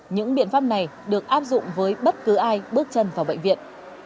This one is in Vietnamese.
những biện pháp này được áp dụng với bất cứ ai bước chân vào bệnh viện